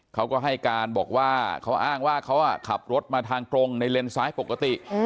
เขาก็ให้การบอกว่าเขาอ้างว่าเขาขับรถมาทางตรงในเลนซ้ายปกติ